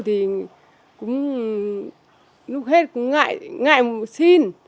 thì cũng lúc hết cũng ngại xin